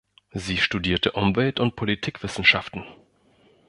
Sie studierte Umwelt- und Politikwissenschaften.